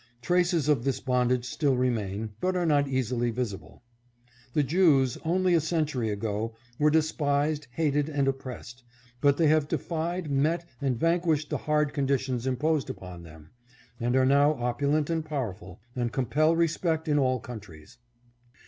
Traces of this bondage still remain, but are not easily visible. The Jews, only a century ago, were despised, hated, and oppressed, but they have defied, met, and vanquished the hard conditions imposed upon them, and are now opulent and powerful, and compel respect in all countries.